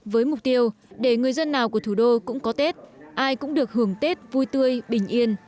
với mục tiêu để người dân nào của thủ đô cũng có tết ai cũng được hưởng tết vui tươi bình yên